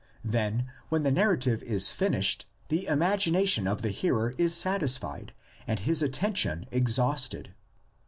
Then when the narrative is finished the imagination of the hearer is satisfied and his atten tion exhausted.